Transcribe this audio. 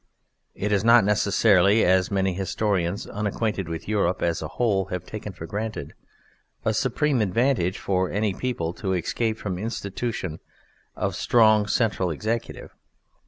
It is not necessarily (as many historians unacquainted with Europe as a whole have taken for granted) a supreme advantage for any people to escape from institution of a strong central executive.